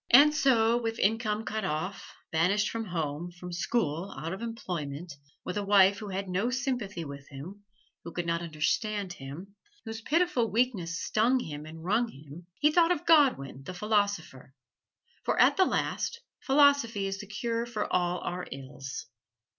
And so, with income cut off, banished from home, from school, out of employment, with a wife who had no sympathy with him who could not understand him whose pitiful weakness stung him and wrung him, he thought of Godwin, the philosopher: for at the last philosophy is the cure for all our ills.